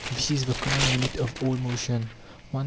[This is the common limit of all motion.] i.